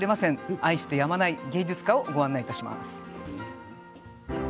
愛してやまない芸術家をご案内いたします。